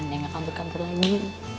neng akan berkantor lagi